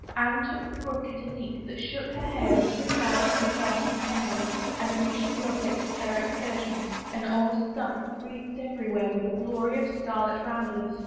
Anne took the brook at a leap that shook her hair into a thousand dancing tendrils and reached the object of her excursion, an old stump wreathed every where with a glory of scarlet ramblers.